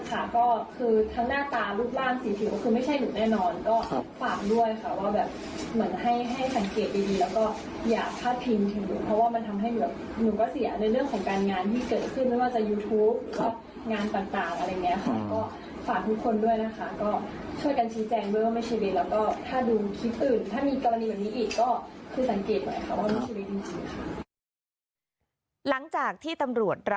หรืออะไรก็ได้นะแต่ให้สังเกตดีแล้วกันค่ะ